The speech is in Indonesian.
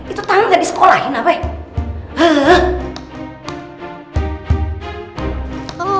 itu tangan gak disekolahin apa ya